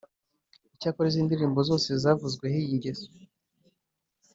icyakora izi ndirimbo zose zavuzweho iyi ngeso